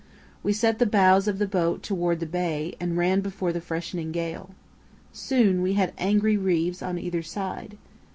We set the bows of the boat towards the bay and ran before the freshening gale. Soon we had angry reefs on either side.